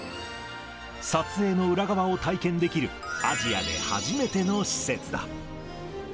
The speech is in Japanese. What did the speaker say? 撮影の裏側を体験できるアジアで初めての施設だ。